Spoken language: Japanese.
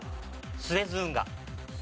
スエズ運河。